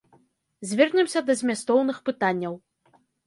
Звернемся да змястоўных пытанняў.